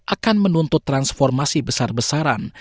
akan menuntut transformasi besar besaran